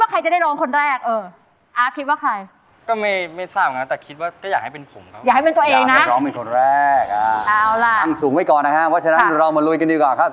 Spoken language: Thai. เอาล่ะตั้งสูงไว้ก่อนนะฮะเพราะฉะนั้นเรามาลุยกันดีกว่าครับ